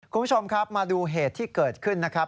คุณผู้ชมครับมาดูเหตุที่เกิดขึ้นนะครับ